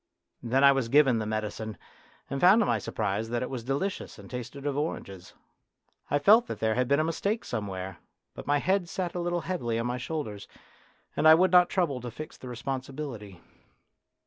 Then I was given the medicine, and found to my surprise that it was delicious and tasted of oranges. I felt that there had been a mistake somewhere, but my head sat a little heavily on my shoulders, and I would not trouble to fix the responsibility.